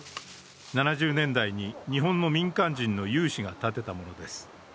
７０年代に日本の民間人の有志が建てたものです。